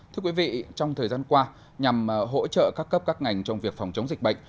thưa quý vị trong thời gian qua nhằm hỗ trợ các cấp các ngành trong việc phòng chống dịch bệnh